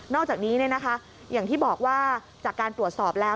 อกจากนี้อย่างที่บอกว่าจากการตรวจสอบแล้ว